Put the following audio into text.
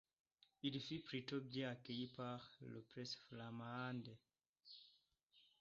Il fut plutôt bien accueilli par la presse flamande.